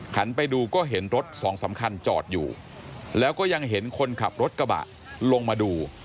ไปดูก็เห็นรถสองสามคันจอดอยู่แล้วก็ยังเห็นคนขับรถกระบะลงมาดู